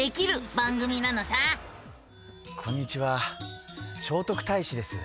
こんにちは聖徳太子です。